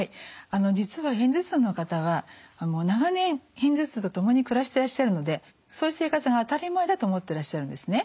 実は片頭痛の方は長年片頭痛とともに暮らしてらっしゃるのでそういう生活が当たり前だと思ってらっしゃるんですね。